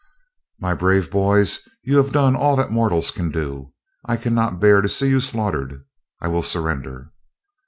"My brave boys, you have done all that mortals can do. I cannot bear to see you slaughtered. I will surrender."